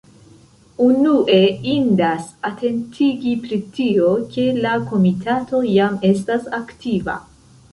Unue indas atentigi pri tio, ke la Komitato jam estas aktiva.